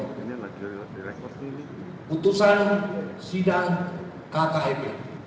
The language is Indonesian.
kutusan sidang kkip